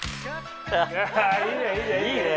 わぁいいねいいね！